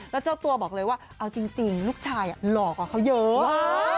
แล้วเจ้าตัวบอกเลยว่าเอาจริงลูกชายหลอกกว่าเขาเยอะ